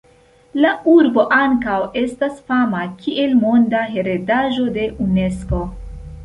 La urbo ankaŭ estas fama kiel Monda heredaĵo de Unesko.